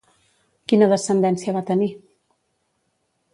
Quina descendència va tenir?